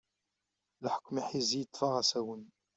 Leḥkem n yiḥizi yeṭṭef-aɣ asawen.